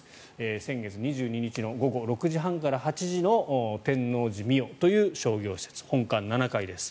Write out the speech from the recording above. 先月２２日の午後６時半から８時の天王寺ミオという商業施設の本館７階です。